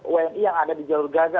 wni yang ada di jalur gaza